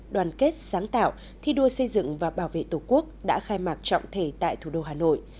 đoàn kết sáng tạo thi đua xây dựng và bảo vệ tổ quốc đã khai mạc trọng thể tại thủ đô hà nội